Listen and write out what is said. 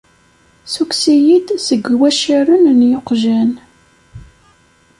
Ssukkes-iyi-d seg waccaren n yiqjan.